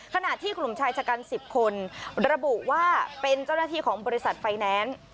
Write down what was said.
ขณะที่กลุ่มชายชะกัน๑๐คนระบุว่าเป็นเจ้าหน้าที่ของบริษัทไฟแนนซ์